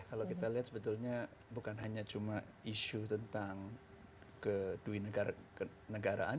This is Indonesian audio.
kalau kita lihat sebetulnya bukan hanya cuma isu tentang kedui negaraan